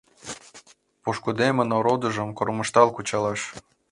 Пошкудемын ородыжым кормыжтал кучалаш